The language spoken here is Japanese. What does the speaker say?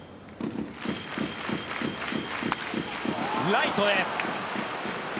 ライトへ。